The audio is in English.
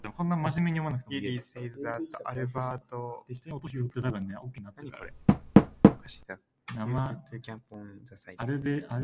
It is said that Albert Namatjira used to camp on the site.